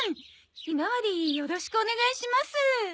ひまわりよろしくお願いします。